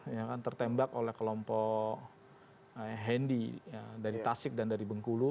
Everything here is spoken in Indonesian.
yang tertembak oleh kelompok hendi dari tasik dan dari bengkulu